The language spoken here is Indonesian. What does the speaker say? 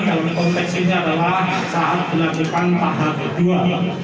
dalam konteks ini adalah saat dilakukan paham kedua